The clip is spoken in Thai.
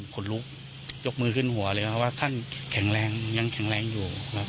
คนลุกยกมือขึ้นหัวเลยครับเพราะว่าท่านแข็งแรงยังแข็งแรงอยู่ครับ